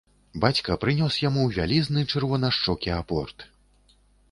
Бацька прынёс яму вялізны чырванашчокі апорт.